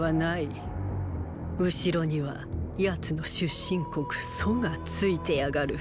後ろには奴の出身国「楚」がついてやがる。